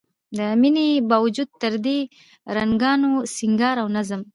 د مينې باوجود تر دې رڼاګانو، سينګار او نظم